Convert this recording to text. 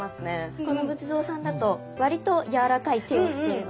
この仏像さんだと割と柔らかい手をしているので。